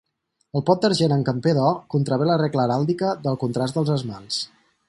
El pot d'argent en camper d'or contravé la regla heràldica del contrast dels esmalts.